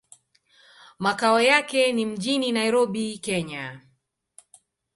Makao yake ni mjini Nairobi, Kenya.